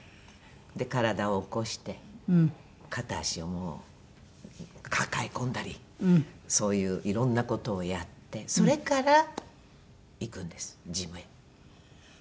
体を起こして片足をもう抱え込んだりそういういろんな事をやってそれから行くんですジムへ。